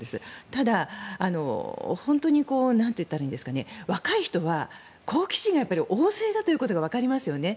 ただ、本当に若い人は好奇心が旺盛だということがわかりますよね。